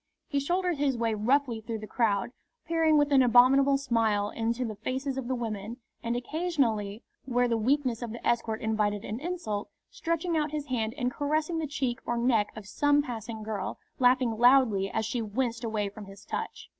He shouldered his way roughly through the crowd, peering with an abominable smile into the faces of the women, and occasionally, where the weakness of the escort invited an insult, stretching out his hand and caressing the cheek or neck of some passing girl, laughing loudly as she winced away from his touch.